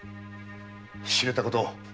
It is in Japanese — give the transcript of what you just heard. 知れたこと。